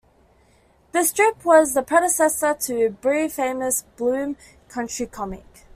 The strip was the predecessor to Breathed's famous "Bloom County" comic.